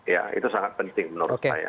ya itu sangat penting menurut saya